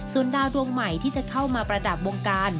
ส่วนดาวดวงใหม่ที่จะเข้ามาประดับวงการ